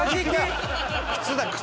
靴だ靴。